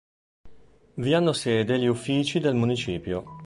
Vi hanno sede gli uffici del municipio.